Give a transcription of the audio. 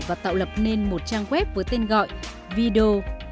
và tạo lập nên một trang web với tên gọi video